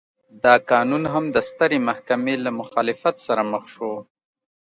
دا قانون هم د سترې محکمې له مخالفت سره مخ شو.